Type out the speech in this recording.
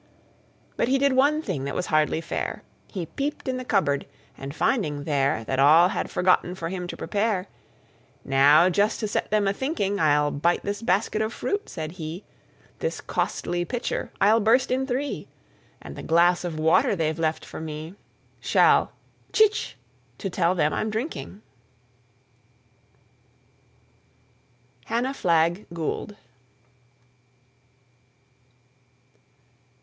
But he did one thing that was hardly fair; He peeped in the cupboard, and finding there That all had forgotten for him to prepare "Now just to set them a thinking, I'll bite this basket of fruit," said he, "This costly pitcher I'll burst in three, And the glass of water they've left for me Shall 'tchich!' to tell them I'm drinking." HANNAH FLAGG GOULD.